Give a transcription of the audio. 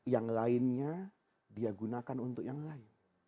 yang lainnya dia gunakan untuk yang lain